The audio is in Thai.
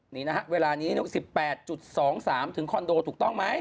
นี่นะฮะเวลานี้๑๘๒๓ถึงคอนโดถูกต้องไหม